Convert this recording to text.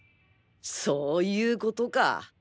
そういうことか！